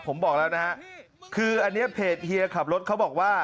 ผมบอกแล้วนะฮะคืออันนี้เพจเฮียขับรถเขาบอกว่า